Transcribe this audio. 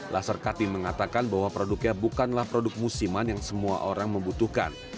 laser katin mengatakan bahwa produknya bukanlah produk musiman yang semua orang membutuhkan